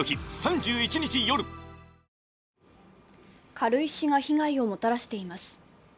軽石が被害をもたらしています。